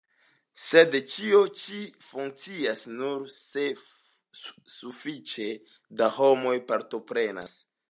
Sed ĉio ĉi funkcias nur se sufiĉe da homoj partoprenas.